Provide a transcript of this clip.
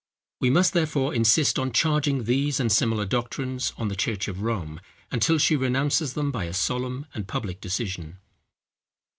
We must therefore insist on charging these and similar doctrines on the church of Rome, until she renounces them by a solemn and public decision.